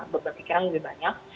beban pikiran lebih banyak